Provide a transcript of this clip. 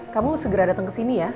kamu segera datang ke sini ya